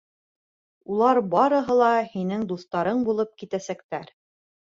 Улар барыһы ла һинең дуҫтарың булып китәсәктәр.